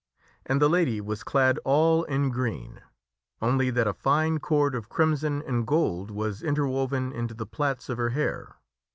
And the lady was clad all in green only that a fine cord of crimson and gold was interwoven into the plaits of her hair.